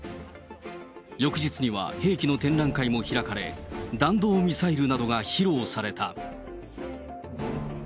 翌日には兵器の展覧会も開かれ、弾道ミサイルなどが披露された。